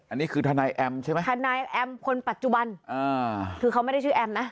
อันนี้คือธนายแอมใช่ไหมคุณปัจจุบันคือเขาไม่ได้ชื่อแอมนะ